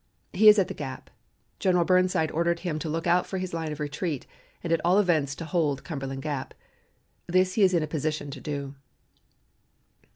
He is at the Gap. General Burnside ordered him to look out for his line of retreat and at all events to hold Cumberland Gap. This he is in a position to do."